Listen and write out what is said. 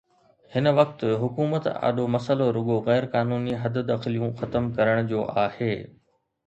هن وقت حڪومت آڏو مسئلو رڳو غير قانوني حددخليون ختم ڪرڻ جو آهي.